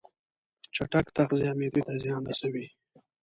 چټک تغذیه معدې ته زیان رسوي.